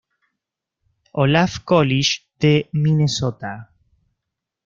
Olaf College de Minnesota.